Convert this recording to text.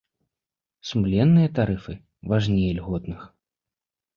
Сумленныя тарыфы важней ільготных.